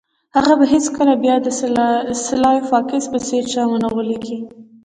هغه به هیڅکله بیا د سلای فاکس په څیر چا ونه غولیږي